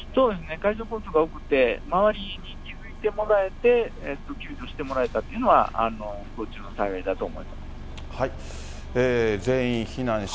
海上交通が多くて、周りに気付いてもらえて、救助してもらえたというのは、不幸幅４０こんな狭さにも！